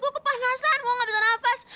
gua kepanasan gua gak bisa nafas